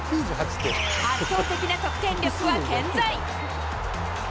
圧倒的な得点力は健在。